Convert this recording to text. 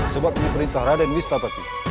sebab ini perintah raden wistabati